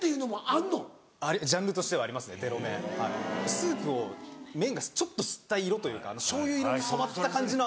スープを麺がちょっと吸った色というかしょうゆ色に染まった感じのあの麺の色が。